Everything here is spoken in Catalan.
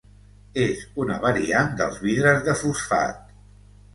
És una variant dels vidres de fosfat.